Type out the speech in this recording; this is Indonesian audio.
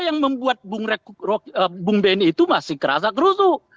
yang membuat bung benny itu masih kerasa gerusuk